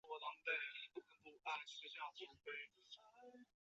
后来为粮食店街第十旅馆使用。